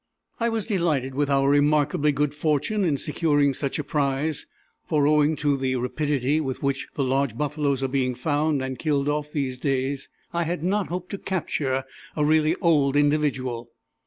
] I was delighted with our remarkably good fortune in securing such a prize, for, owing to the rapidity with which the large buffaloes are being found and killed off these days, I had not hoped to capture a really old individual.